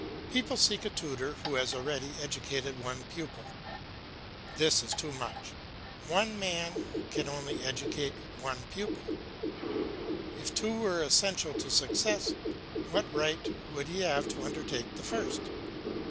People seek a tutor who has already educated one pupil. This is too much; one man can only educate one pupil; if two were essential to success, what right would he have to undertake the first?